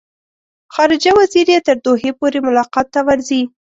خارجه وزیر یې تر دوحې پورې ملاقات ته ورځي.